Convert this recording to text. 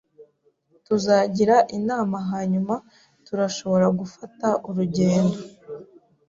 Tuzagira inama hanyuma turashobora gufata urugendo.